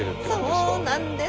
そうなんです。